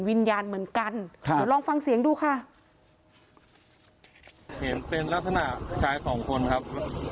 วิญญาณเหมือนกันครับเดี๋ยวลองฟังเสียงดูค่ะเห็นเป็นลักษณะชายสองคนครับ